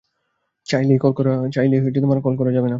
চাইলেই কল করা যাবে না।